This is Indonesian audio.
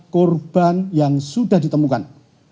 kurban yang sudah ditemukan